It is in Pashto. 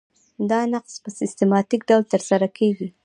دا نقض په سیستماتیک ډول ترسره کیږي.